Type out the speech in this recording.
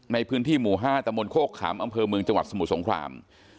ในพื้นที่หมู่๕ตะมนตโคกขามอำเภอเมืองจังหวัดสมุทรสงคราม